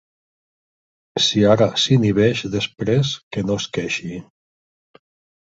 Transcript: Si ara s'inhibeix, després que no es queixi.